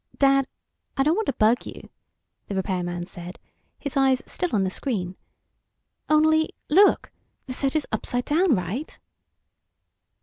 "Dad, I don't want to bug you," the repairman said, his eyes still on the screen, "only, look. The set is upside down, right?"